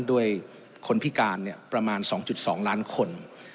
ด้วยคนพิการประมาณ๒๒ล้านคน